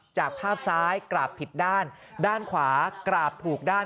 จากภาพซ้ายกราบผิดด้านด้านขวากราบถูกด้าน